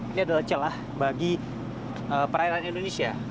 ini adalah celah bagi perairan indonesia